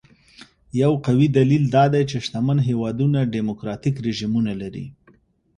یو قوي دلیل دا دی چې شتمن هېوادونه ډیموکراټیک رژیمونه لري.